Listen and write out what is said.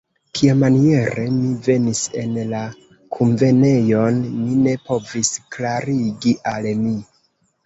Kiamaniere mi venis en la kunvenejon, mi ne povis klarigi al mi.